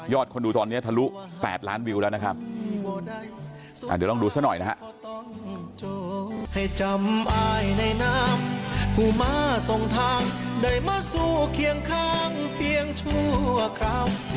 ยอดคนดูตอนนี้ทะลุ๘ล้านวิวแล้วนะครับอ่าเดี๋ยวลองดูซะหน่อยนะฮะ